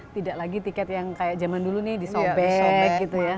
tidak lagi tiket yang kayak zaman dulu nih disobek gitu ya